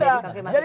kenapa sih bang